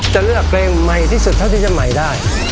จะเลือกเพลงใหม่ที่สุดเท่าที่จะใหม่ได้